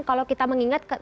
kalau kita mengingatkan